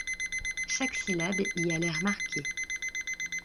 Chaque syllabe y a l’air marquée.